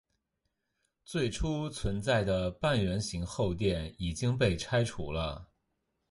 最初存在的半圆形后殿已经被拆除了。